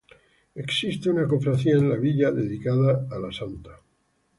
Existe una cofradía en la villa dedicada a la santa.